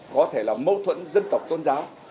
có thể là mâu thuẫn dân tộc tôn giáo